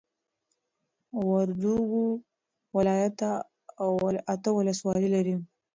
وردوګو ولايت اته ولسوالۍ لري